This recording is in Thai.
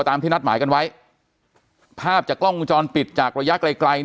ที่นัดหมายกันไว้ภาพจากกล้องวงจรปิดจากระยะไกลไกล